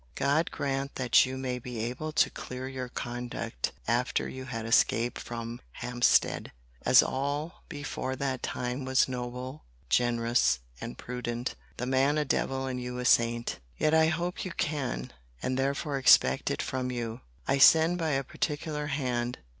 God grant that you may be able to clear your conduct after you had escaped from Hampstead; as all before that time was noble, generous, and prudent; the man a devil and you a saint!——Yet I hope you can; and therefore expect it from you. I send by a particular hand.